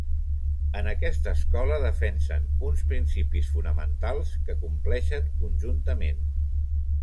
En aquesta escola defensen uns principis fonamentals que compleixen conjuntament.